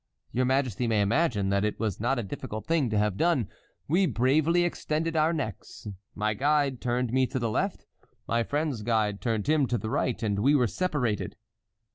Your majesty may imagine that it was not a difficult thing to have done. We bravely extended our necks. My guide turned me to the left, my friend's guide turned him to the right, and we were separated."